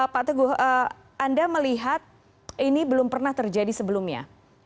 pak teguh anda melihat ini belum pernah terjadi sebelumnya